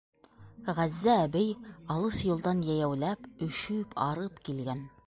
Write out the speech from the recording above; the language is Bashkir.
Ғәззә әбей алыҫ юлдан йәйәүләп, өшөп, арып килгән.